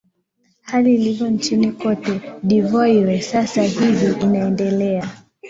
hali ilivyo nchini cote de voire sasa hivi inaendelea